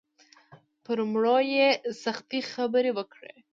پر مړو یې سختې خبرې وکړې.